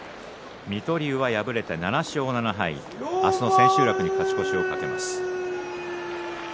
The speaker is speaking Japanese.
水戸龍は７勝７敗、明日の千秋楽に勝ち越しを懸けます。